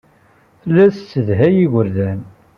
Tella tessedhay igerdan.